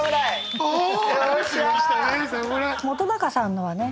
本さんのはね